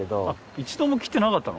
一度も切ってなかったの？